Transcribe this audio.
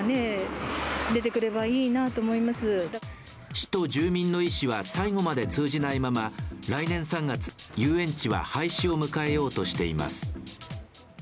市と住民の意思は最後まで通じないまま来年３月遊園地は廃止を迎えようとしています。